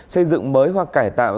xây dựng mới hoặc cải tạo